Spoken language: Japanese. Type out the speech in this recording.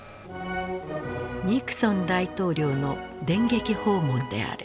ニクソン大統領の電撃訪問である。